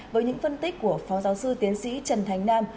với những phân tích của phó giáo sư tiến sĩ trần thánh nam